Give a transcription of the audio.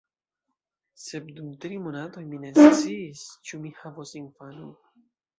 Sed dum tri monatoj mi ne sciis, ĉu mi havos infanon.